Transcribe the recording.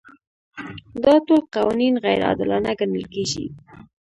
دا ټول قوانین غیر عادلانه ګڼل کیږي.